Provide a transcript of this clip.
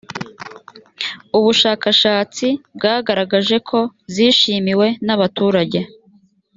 ubushakashatsi bwagaragaje ko zishimiwe n abaturage.